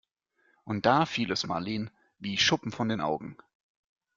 Und da fiel es Marleen wie Schuppen von den Augen.